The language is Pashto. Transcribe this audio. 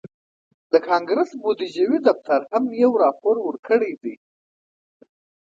د کانګرس بودیجوي دفتر هم یو راپور ورکړی دی